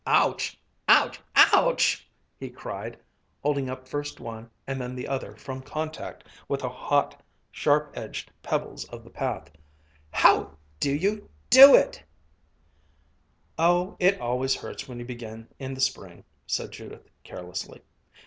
"Ouch! Ouch! OUCH!" he cried, holding up first one and then the other from contact with the hot sharp edged pebbles of the path, "How do you do it?" "Oh, it always hurts when you begin in the spring," said Judith carelessly.